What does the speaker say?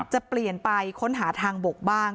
จะเปลี่ยนไปค้นหาทางบกบ้าง